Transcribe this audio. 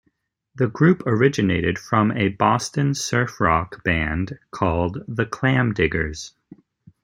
The group originated from a Boston surf rock band called 'The Clamdiggers'.